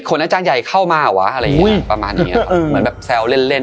ขนาจารย์ใหญ่เข้ามาเหรอวะอะไรอย่างนี้ประมาณนี้เออเออมันแบบแซวเล่นเล่น